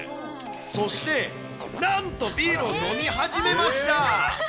そしてなんと、ビールを飲み始めました。